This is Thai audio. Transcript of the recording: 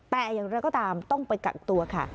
แต่อย่างไรก็ตามต้องไปกักตัวค่ะ